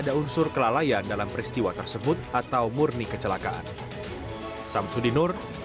ada unsur kelalaian dalam peristiwa tersebut atau murni kecelakaan